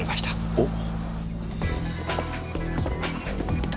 おっ。